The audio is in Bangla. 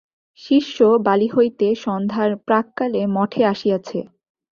শিষ্য বালি হইতে সন্ধ্যার প্রাক্কালে মঠে আসিয়াছে।